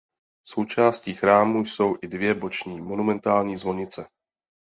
Součástí chrámu jsou i dvě boční monumentální zvonice.